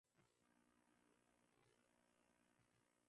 sifuri moja tano saba nne